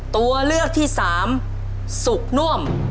ตัวเลือกที่สามสุกน่วม